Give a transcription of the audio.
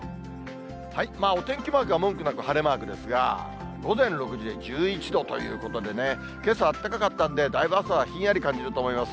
お天気マークは文句なく晴れマークですが、午前６時で１１度ということでね、けさあったかかったんで、だいぶ朝はひんやり感じると思います。